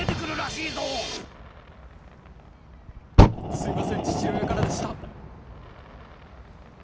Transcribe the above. すいません父親からでした。